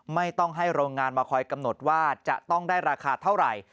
ไม่ต้องให้โรงงานมาคอยกำหนดว่าจะต้องได้ราคาเท่าไหร่